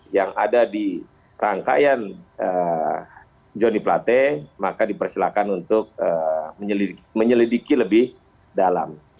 yang ada di rangkaian johnny plate maka dipersilakan untuk menyelidiki lebih dalam